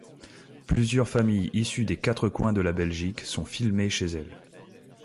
Plusieurs familles issues des quatre coins de la Belgique sont filmées chez elles.